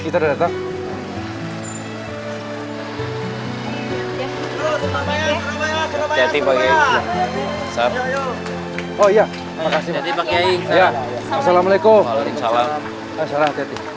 tak ada bahasa ibadah